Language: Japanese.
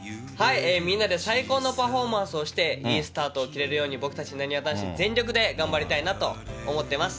みんなで最高のパフォーマンスをして、いいスタートを切れるように、僕たちなにわ男子、全力で頑張りたいなと思っています。